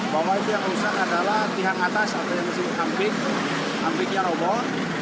bahwa itu yang usah adalah pihak atas atau yang disini hampir hampirnya robot